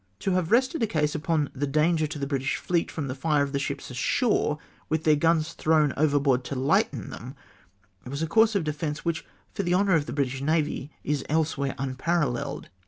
To have rested a case upon the danger to the British fleet from the fire of the ships a.shore, with their guns thrown overboard to lighten tliem, was a coiu^se of defence which, for the honour of the British navy, is elsewhere unparalleled.